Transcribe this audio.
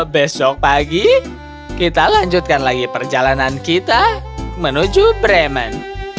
besok pagi kita lanjutkan lagi perjalanan kita menuju bremen